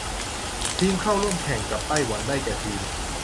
ทีมเข้าร่วมแข่งกับไต้หวันได้แก่ทีม